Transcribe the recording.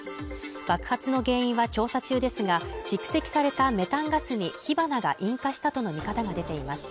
爆発の原因は調査中ですが、蓄積されたメタンガスに火花が引火したとの見方が出ています。